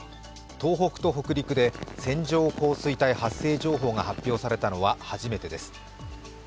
東北と北陸で線状降水帯発生情報が発表されたのは初めてです。